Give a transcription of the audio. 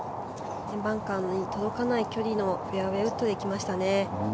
バンカーに届かない距離のフェアウェーウッドで来ましたね。